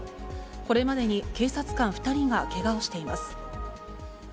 これまでに警察官２人がけがをしています。